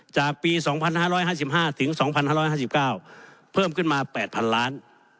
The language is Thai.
จากปี๒๕๕๕๒๕๕๙เพิ่มขึ้นมา๘๐๐๐ล้าน